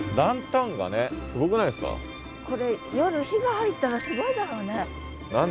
今回そのこれ夜火が入ったらすごいだろうね。